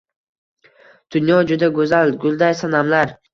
Dunyo juda go‘zal, gulday sanamlar